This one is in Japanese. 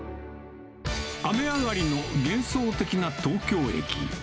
雨上がりの幻想的な東京駅。